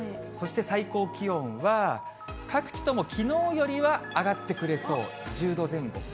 そして最高気温は、各地ともきのうよりは上がってくれそう、１０度前後。